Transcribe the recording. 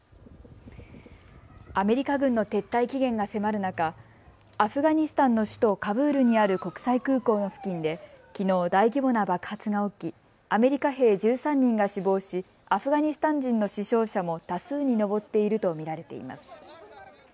アメリカ軍の撤退期限が迫る中、アフガニスタンの首都カブールにある国際空港の付近できのう大規模な爆発が起きアメリカ兵１３人が死亡しアフガニスタン人の死傷者も多数に上っていると見られています。